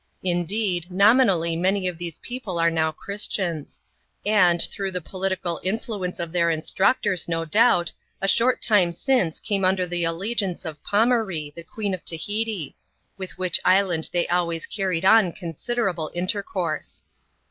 Indeed, nominally many of these people are now Christians ; and, through the political influence of their instructors, no doubt, a short time since came under the allegiance of Pomaree, the Queen of Tahiti ; with which island they always carried on considerable intercourse.